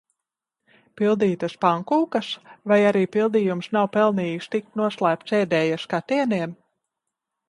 Pildītas pankūkas? Vai arī pildījums nav pelnījis tikt noslēpts ēdēja skatieniem?